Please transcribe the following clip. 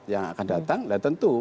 yang akan datang ya tentu